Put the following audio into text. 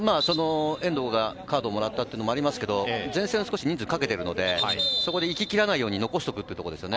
遠藤がカードをもらったというのもありますけど、前線少し人数をかけているので、行ききらないように残していくということですね。